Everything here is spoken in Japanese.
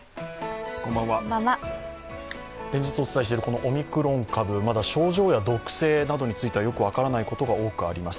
連日お伝えしているオミクロン株、まだ症状や毒性などについてはよく分からないことが多くあります。